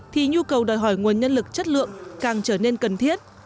thì nhu cầu đòi hỏi nguồn nhân lực chất lượng càng trở nên cần thiết